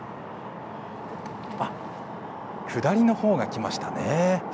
下りのほうが来ましたね。